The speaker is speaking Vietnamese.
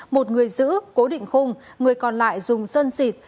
một người giữ cố định khung người còn lại dùng sơn xịt